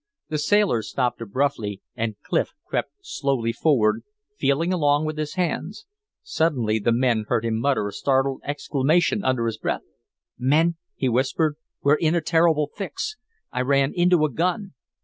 The sailors stopped abruptly, and Clif crept softly forward, feeling along with his hands; suddenly the men heard him mutter a startled exclamation under his breath. "Men," he whispered, "we're in a terrible fix; I ran into a gun!"